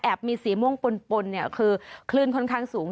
แอบมีสีม่วงปนคือคลื่นค่อนข้างสูง